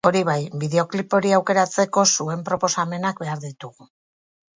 Hori bai, bideoklip hori aukeratzeko zuen proposamenak behar ditugu.